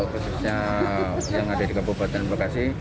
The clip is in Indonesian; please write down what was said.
khususnya yang ada di kabupaten bekasi